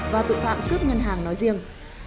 và tội phạm cướp ngân hàng nói riêng